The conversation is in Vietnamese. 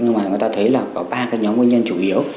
nhưng mà người ta thấy là có ba cái nhóm nguyên nhân chủ yếu